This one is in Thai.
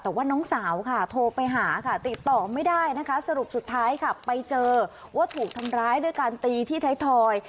แต่ว่าน้องสาวค่ะโทรไปหาค่ะติดต่อไม่ได้นะคะสรุปสุดท้ายค่ะไปเจอว่าถูกทำร้ายด้วยการตีที่ไทยทอย